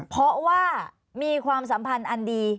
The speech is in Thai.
เพราะว่ามีความสัมพันธ์อันดี